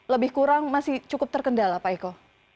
lebih kurang masih cukup terkendal apa eko